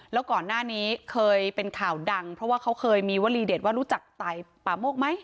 แล้วก่อนหน้านี้เคยเป็นข่าวดังเพราะว่าเขาเคยมีวลีเด็ดว่ารู้จักตายป่าโมกไหม